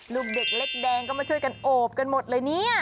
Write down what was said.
ลูกเด็กเล็กแดงก็มาช่วยกันโอบกันหมดเลยเนี่ย